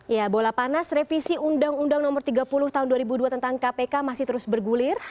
ya bola panas revisi undang undang nomor tiga puluh tahun dua ribu dua tentang kpk masih terus bergulir